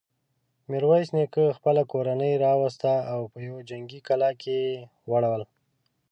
ميرويس نيکه خپله کورنۍ راوسته او په يوه جنګي کلا کې يې واړول.